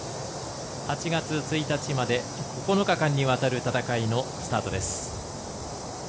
８月１日まで９日間にわたる戦いのスタートです。